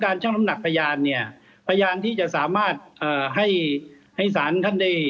ช่องน้ำหนักพยานเนี่ยพยานที่จะสามารถเอ่อให้ให้สารท่านได้